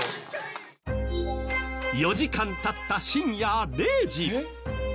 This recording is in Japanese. ４時間経った深夜０時。